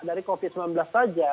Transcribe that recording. dari covid sembilan belas saja